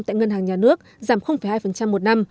tại ngân hàng nhà nước giảm hai một năm